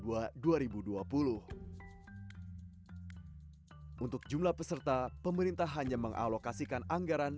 untuk jumlah peserta pemerintah hanya mengalokasikan anggaran